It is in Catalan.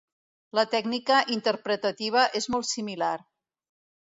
La tècnica interpretativa és molt similar.